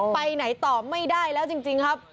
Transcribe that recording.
ไปไหนต่อไม่ได้แล้วจริงครับ